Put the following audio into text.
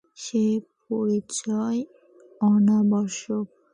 সে পরিচয় অনাবশ্যক।